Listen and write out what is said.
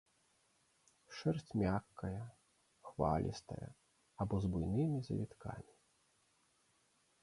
Шэрсць мяккая, хвалістая або з буйнымі завіткамі.